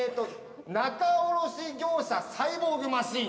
◆仲卸業者サイボーグマシン